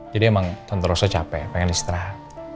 jadi emang tante rosa capek pengen istirahat